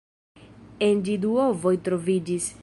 En ĝi du ovoj troviĝis.